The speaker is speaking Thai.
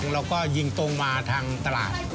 เราก็ยิงตรงมาทางตลาด